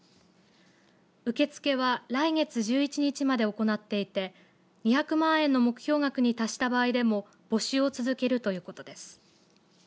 受け付けは来月１１日まで行っていて２００万円の目標額に達した場合でも募集を続けるということです。